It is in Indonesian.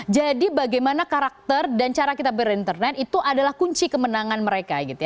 jadi bagaimana karakter dan cara kita berinternet itu adalah kunci kemenangan mereka